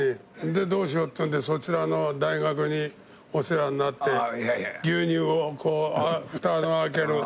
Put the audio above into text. でどうしようっていうんでそちらの大学にお世話になって牛乳をこうふた開ける。